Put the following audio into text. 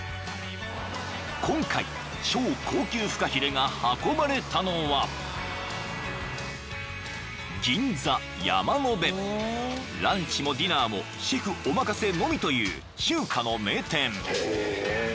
［今回超高級フカヒレが運ばれたのは］［ランチもディナーもシェフお任せのみという中華の名店］